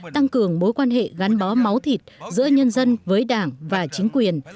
tăng cường mối quan hệ gắn bó máu thịt giữa nhân dân với đảng và chính quyền